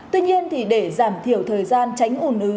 tuy nhiên thì để giảm thiểu thời gian tránh ủn ứ